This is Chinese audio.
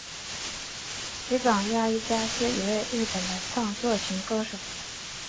吉冈亚衣加是一位日本的创作型歌手。